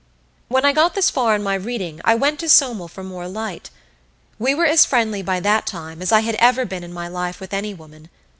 When I got this far in my reading I went to Somel for more light. We were as friendly by that time as I had ever been in my life with any woman.